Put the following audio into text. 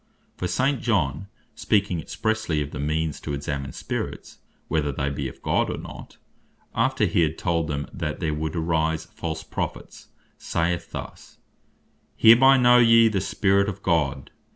For St. John (1 Epist, 4. 2, &c) speaking expressely of the means to examine Spirits, whether they be of God, or not; after he hath told them that there would arise false Prophets, saith thus, "Hereby know ye the Spirit of God.